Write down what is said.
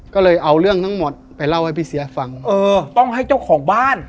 ก็เลยเอาเรื่องทั้งหมดไปเล่าให้พี่เสียฟังเออต้องให้เจ้าของบ้าน